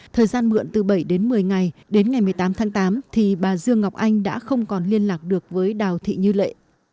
thời gian mượn từ bảy đến một mươi ngày đến ngày một mươi tám tháng tám thì bà dương ngọc anh đã không còn liên lạc được với đào thị như lệ